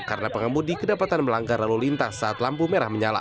karena pengemudi kedapatan melanggar lalu lintas saat lampu merah menyala